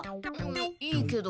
いいけど。